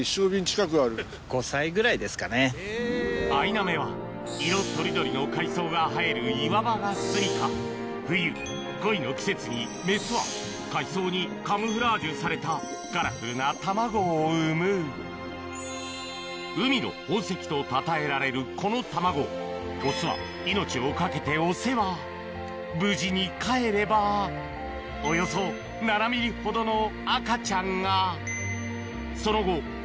・５歳ぐらいですかね・アイナメは色とりどりの海藻が生える岩場がすみか冬恋の季節にメスは海藻にカムフラージュされたカラフルな卵を産む海の宝石とたたえられるこの卵をオスは命を懸けてお世話無事にかえればおよそその後岩場と海藻に隠れて生き延び